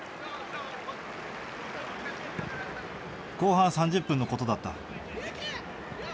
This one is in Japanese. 後半３０分のことだった。